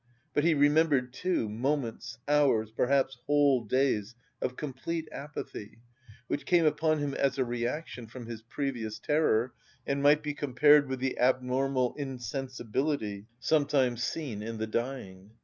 But he remembered, too, moments, hours, perhaps whole days, of complete apathy, which came upon him as a reaction from his previous terror and might be compared with the abnormal insensibility, sometimes seen in the dying.